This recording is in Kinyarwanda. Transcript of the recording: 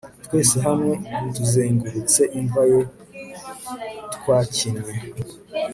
Twese hamwe tuzengurutse imva ye twakinnye